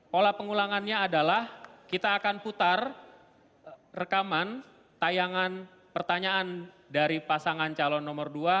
pola pengulangannya adalah kita akan putar rekaman tayangan pertanyaan dari pasangan calon nomor dua